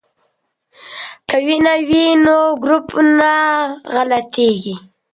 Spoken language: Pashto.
که وینه وي نو ګروپ نه غلطیږي.